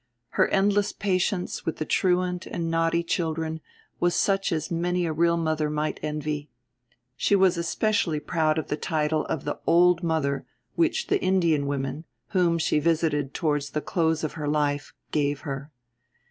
Her endless patience with the truant and naughty children was such as many a real mother might envy. She was especially proud of the title of "the old mother" which the Indian women, whom she visited towards the close of her life, gave her.